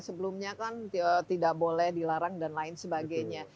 sebelumnya kan tidak boleh dilarang dan lain sebagainya